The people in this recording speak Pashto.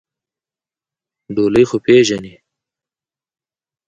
ډولۍ خو پېژنې؟